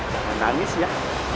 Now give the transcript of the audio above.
jangan nangis ya